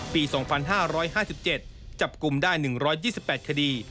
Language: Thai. ปี๒๕๕๗จับกลุ่มได้๑๒๘คดี